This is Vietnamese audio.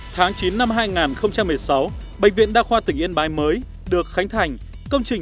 tháng chín năm hai nghìn một mươi sáu bệnh viện đa khoa tỉnh yên bái mới được khánh thành công trình